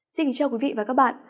xin kính chào quý vị và các bạn